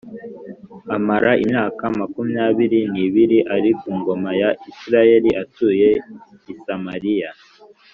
amara imyaka makumyabiri n’ibiri ari ku ngoma ya Isirayeli, atuye i Samariya